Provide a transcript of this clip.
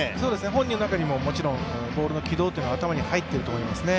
本人の中にももちろん、ボールの軌道が頭に入っていると思いますね。